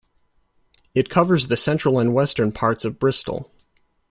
It covers the central and western parts of Bristol.